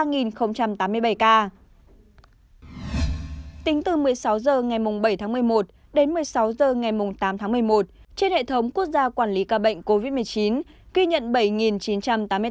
tính từ một mươi sáu h ngày bảy tháng một mươi một đến một mươi sáu h ngày tám tháng một mươi một trên hệ thống quốc gia quản lý ca bệnh covid một mươi chín ghi nhận bảy chín trăm tám mươi ca